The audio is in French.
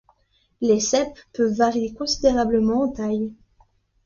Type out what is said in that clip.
Les cèpes peuvent varier considérablement en taille.